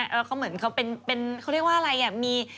แล้วเขาเหมือนเขาเป็นเขาเรียกว่าอะไรอ่ะมี